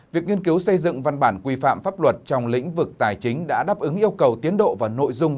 việc nghiên cứu xây dựng văn bản quy phạm pháp luật trong lĩnh vực tài chính đã đáp ứng yêu cầu tiến độ và nội dung